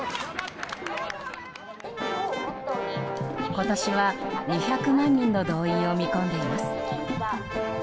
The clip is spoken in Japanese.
今年は２００万人の動員を見込んでいます。